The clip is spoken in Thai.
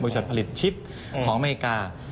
จัดผลิตชิปของอเมริกา